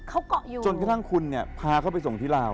เขาเกาะอยู่จนกระทั่งคุณเนี่ยพาเขาไปส่งที่ลาว